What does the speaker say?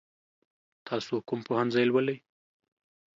تاسو کوم پوهنځی لولئ؟